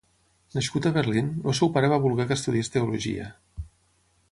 Nascut a Berlín, el seu pare va voler que estudiés teologia.